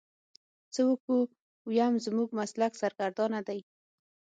څه وکو ويم زموږ مسلک سرګردانه دی.